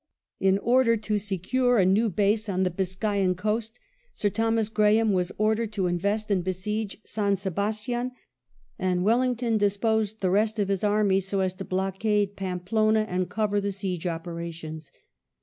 In order to secure a new base on the Biscayan coast Sir Thomas Graham was ordered to invest and besiege San Sebastian, and Wellington disposed the rest VIII SOULT ORDERED TO SPAIN i8i of his army so as to blockade Pampeluna and cover the siege operations.